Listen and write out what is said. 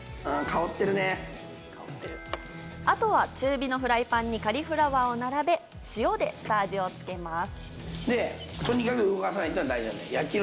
あとは中火のフライパンにカリフラワーを並べ塩で下味をつけます。